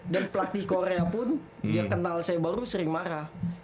dan pelatih korea pun dia kenal saya baru sering marah